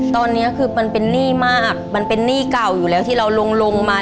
ตอนนี้คือมันเป็นหนี้มากมันเป็นหนี้เก่าอยู่แล้วที่เราลงลงมา